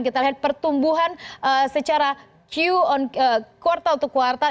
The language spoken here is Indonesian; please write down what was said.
kita lihat pertumbuhan secara q on kuartal ke kuartal